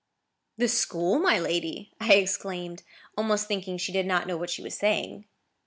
"The school, my lady?" I exclaimed, almost thinking she did not know what she was saying.